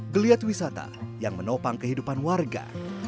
geliat wisata yang menopang kehidupan warga